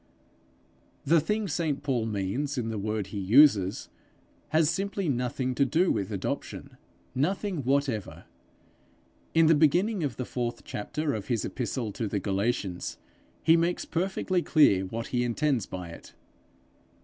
The thing St Paul means in the word he uses, has simply nothing to do with adoption nothing whatever. In the beginning of the fourth chapter of his epistle to the Galatians, he makes perfectly clear what he intends by it.